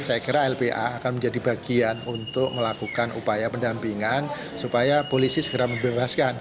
saya kira lpa akan menjadi bagian untuk melakukan upaya pendampingan supaya polisi segera membebaskan